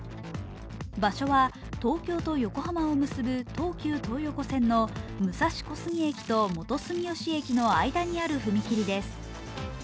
場所は東京と横浜を結ぶ東急東横線の武蔵小杉駅と元住吉駅の間にある踏切です。